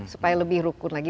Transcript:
supaya lebih rukun lagi